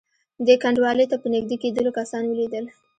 دې کنډوالې ته په نږدې کېدلو کسان ولیدل.